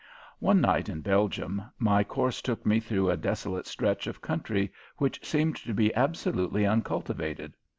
One night in Belgium my course took me through a desolate stretch of country which seemed to be absolutely uncultivated.